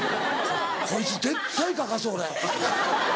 こいつ絶対書かそう俺。